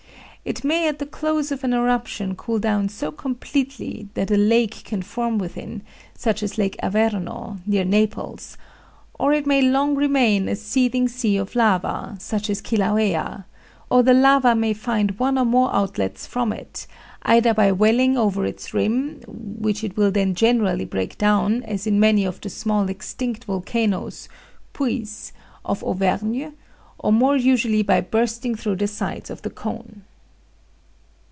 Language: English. It may at the close of an eruption cool down so completely that a lake can form within it, such as Lake Averno, near Naples; or it may long remain a seething sea of lava, such as Kilauea; or the lava may find one or more outlets from it, either by welling over its rim, which it will then generally break down, as in many of the small extinct volcanoes ("puys") of Auvergne, or more usually by bursting through the sides of the cone.